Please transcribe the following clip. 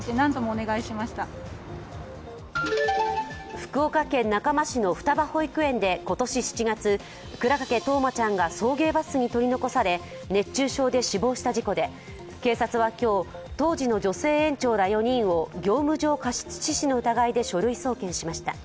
福岡県中間市の双葉保育園で今年７月、倉掛冬生ちゃんが送迎バスに取りのこされ、熱中症で死亡した事故で警察は今日、当時の女性園長ら４人を業務上過失致死の疑いで書類送検しました。